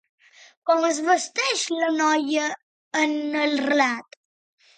Com es vesteix la noia en el relat?